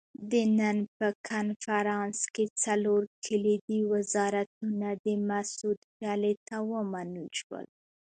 د بُن په کنفرانس کې څلور کلیدي وزارتونه د مسعود ډلې ته ومنل شول.